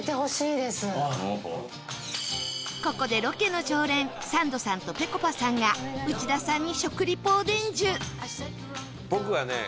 ここでロケの常連サンドさんとぺこぱさんが内田さんに食リポを伝授